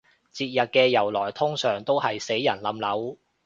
節日嘅由來通常都係死人冧樓